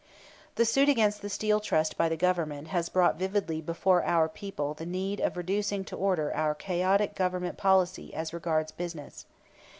] The suit against the Steel Trust by the Government has brought vividly before our people the need of reducing to order our chaotic Government policy as regards business.